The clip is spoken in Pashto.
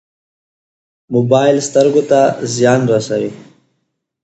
موبایل سترګو ته زیان رسوي